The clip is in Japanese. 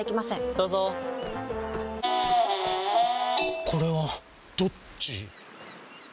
どうぞこれはどっち？